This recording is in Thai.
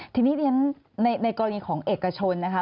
ทีนี้ในกรณีของเอกชนนะคะ